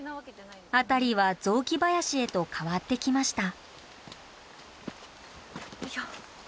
辺りは雑木林へと変わってきました。